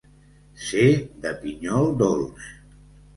Ser de pinyol dolç.